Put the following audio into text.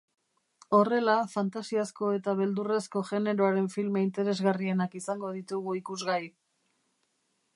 Horrela, fantasiazko eta beldurrezko generoaren filme interesgarrienak izango ditugu ikusgai.